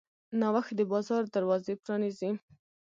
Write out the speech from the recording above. نوښت د بازار دروازې پرانیزي.